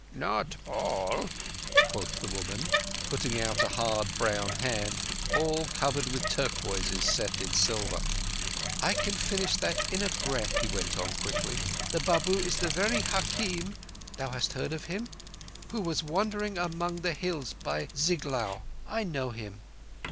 "Not all," quoth the woman, putting out a hard brown hand all covered with turquoises set in silver. "I can finish that in a breath," he went on quickly. "The Babu is the very hakim (thou hast heard of him?) who was wandering among the hills by Ziglaur. I know him."